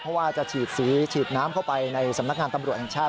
เพราะว่าจะฉีดสีฉีดน้ำเข้าไปในสำนักงานตำรวจแห่งชาติ